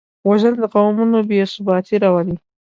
وژنه د قومونو بېثباتي راولي